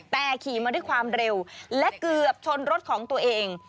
แต่ขี่มาด้วยความเร็วและเกือบชนรถของตัวเอง